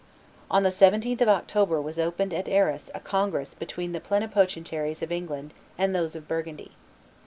On the 17th of October was opened at Arras a congress between the plenipotentiaries of England and those of Burgundy.